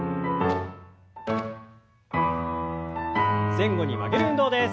前後に曲げる運動です。